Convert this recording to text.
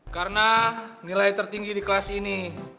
karena nilai tertinggi di kelas ini seratus